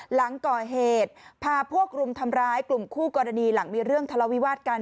หลังก่อเหตุพาพวกรุมทำร้ายกลุ่มคู่กรณีหลังมีเรื่องทะเลาวิวาสกัน